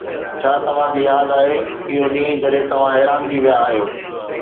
ڇا توهان کي ياد آهي اهو ڏينهن جڏهن توهان حيران ٿي ويا آهيو؟